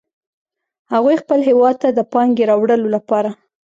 هغوی خپل هیواد ته د پانګې راوړلو لپاره